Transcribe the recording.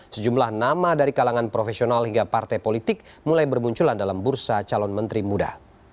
sejumlah nama dari kalangan profesional hingga partai politik mulai bermunculan dalam bursa calon menteri muda